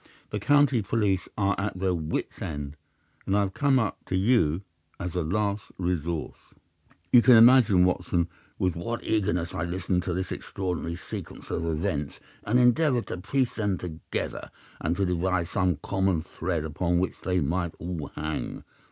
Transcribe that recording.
The county police are at their wits' end, and I have come up to you as a last resource.' "You can imagine, Watson, with what eagerness I listened to this extraordinary sequence of events, and endeavoured to piece them together, and to devise some common thread upon which they might all hang.